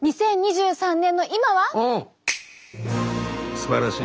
すばらしい！